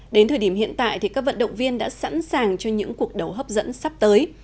đến thời điểm hiện tại thì các vận động viên đã sẵn sàng cho những cuộc đấu hấp dẫn sắp tới